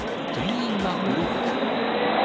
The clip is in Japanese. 店員がブロック。